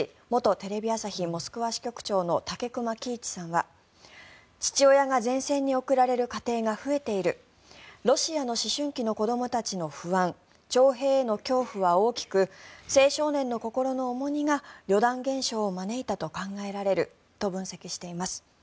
テレビ朝日モスクワ支局長の武隈喜一さんは父親が前線に送られる家庭が増えているロシアの思春期の子どもたちの不安徴兵への恐怖は大きく青少年の心の重みがリョダン現象を招いたと考えられると分析しています。